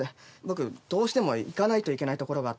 僕どうしても行かないといけない所があって。